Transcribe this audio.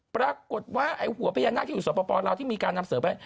ปรากฏว่าไอ้หัวพญานาคที่อยู่สปลาวที่มีการนำเสริมไป